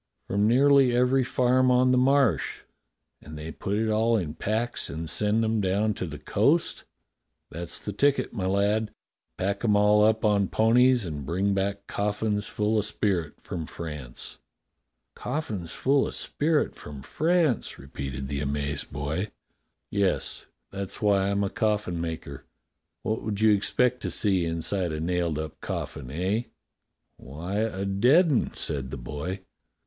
"From nearly every farm on the Marsh." "And they put it all in packs and send 'em down to the coast?" " That's the ticket, my lad. Pack 'em all up on ponies and bring back coffins full of spirit from France." "Coffins full of spirit from France?" repeated the amazed boy. 170 DOCTOR SYN "Yes, that's why I'm a coffin maker. What would you expect to see inside a nailed up coffin, eh? "'* Why, a dead 'un," said the boy.